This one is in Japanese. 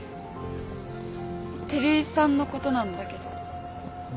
照井さんのことなんだけど。